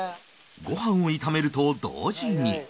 ご飯を炒めると同時に